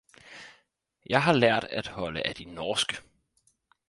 Jeg har lært at holde af de norske!